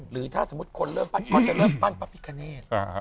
หรือถ้าสมมุติคนเริ่มปั้นเขาจะเริ่มปั้นพระพิคเนต